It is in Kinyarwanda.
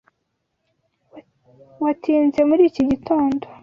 Watinze muri iki gitondo.